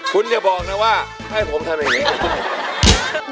คุณอย่าบอกนะว่าให้ผมทำยังไง